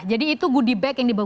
jadi itu goodie bag yang dibawa